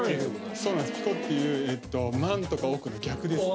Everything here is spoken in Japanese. そうなんですピコっていうえっと万とか億の逆ですね